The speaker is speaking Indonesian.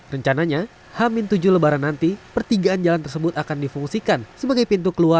rencananya hamin tujuh lebaran nanti pertigaan jalan tersebut akan difungsikan sebagai pintu keluar